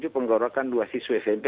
penggorokan dua siswa smp